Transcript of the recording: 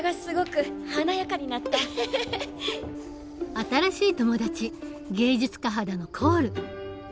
新しい友達芸術家肌のコール。